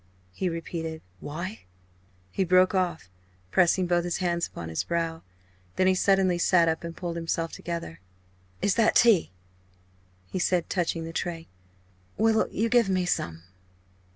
he repeated; "why " He broke off, pressing both his hands upon his brow. Then he suddenly sat up and pulled himself together. "Is that tea?" he said, touching the tray. "Will you give me some?"